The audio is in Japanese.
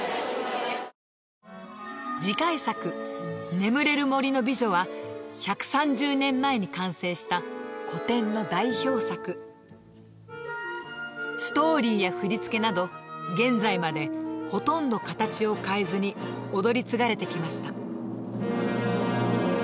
「眠れる森の美女」は１３０年前に完成した古典の代表作ストーリーや振り付けなど現在までほとんど形を変えずに踊り継がれてきました